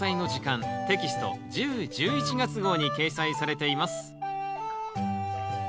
テキスト１０・１１月号に掲載されています。